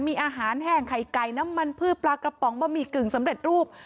มีอาหารแห้งไข่ไก่น้ำมันพืชปลากระป๋องบะหมี่กึ่งสำเร็จรูป